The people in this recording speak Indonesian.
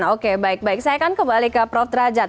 oke baik baik saya akan kembali ke prof derajat